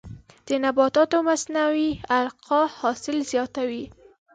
د نباتاتو مصنوعي القاح حاصل زیاتوي.